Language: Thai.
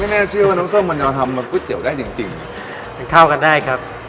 แม่เชื่อว่าน้ำส้มมันยังทำก๋วยเตี๋ยวได้จริงมันเข้ากันได้ครับ